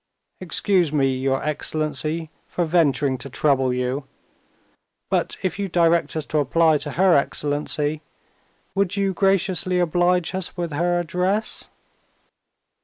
"Excuse me, your excellency, for venturing to trouble you. But if you direct us to apply to her excellency, would you graciously oblige us with her address?"